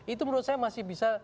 itu menurut saya masih bisa